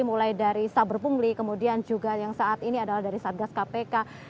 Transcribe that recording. mulai dari saber pungli kemudian juga yang saat ini adalah dari satgas kpk